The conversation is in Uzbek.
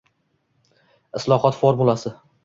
Islohot formulasi.